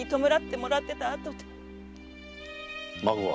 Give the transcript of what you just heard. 孫は？